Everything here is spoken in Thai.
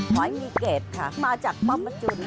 หอยมีเกตค่ะมาจากป๊อบประจุน